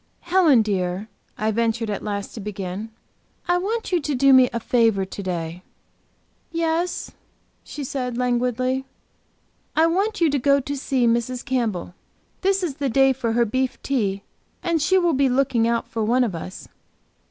"Helen, dear," I ventured at last to begin "I want you to do me a favor to day." "Yes," she said, languidly. "I want you to go to see Mrs. Campbell. This is the day for her beef tea, and she will be looking out for one of us.